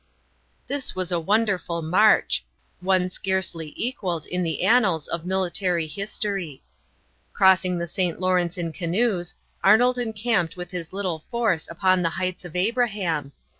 This was a wonderful march one scarcely equaled in the annals of military history. Crossing the St. Lawrence in canoes, Arnold encamped with his little force upon the heights of Abraham.